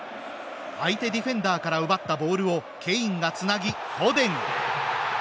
相手ディフェンダーから奪ったボールをケインがつなぎ、フォデン！